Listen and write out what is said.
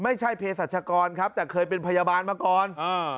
ไม่ใช่เพศรัชกรครับแต่เคยเป็นพยาบาลมาก่อนอ่า